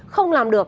không làm được